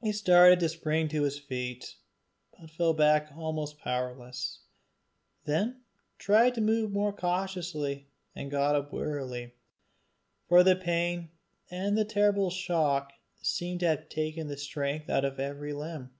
He started to spring to his feet, but fell back almost powerless; then tried more cautiously and got up wearily, for the pain and the terrible shock seemed to have taken the strength out of every limb.